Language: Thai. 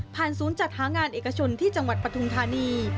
ศูนย์จัดหางานเอกชนที่จังหวัดปฐุมธานี